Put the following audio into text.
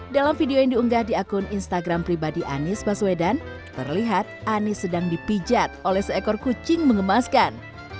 dalam video yang diunggah di akun instagram pribadi anies baswedan terlihat anies sedang dipijat oleh seekor kucing mengemaskan